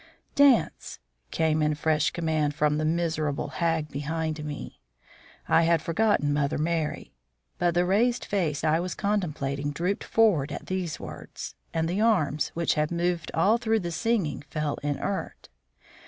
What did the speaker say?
"Dance!" came in fresh command from the miserable hag behind me. I had forgotten Mother Merry. But the raised face I was contemplating drooped forward at these words, and the arms, which had moved all through the singing, fell inert.